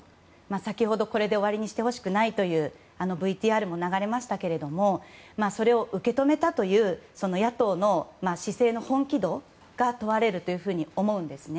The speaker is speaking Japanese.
先ほどこれで終わりにしてほしくないというＶＴＲも流れましたけれどもそれを受け止めたという野党の姿勢の本気度が問われると思うんですね。